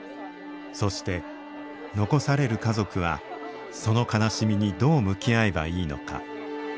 そして残される家族はその悲しみにどう向き合えばいいのか。